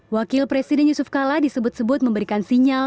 wakil presiden yusuf kala disebut sebut memberikan sinyal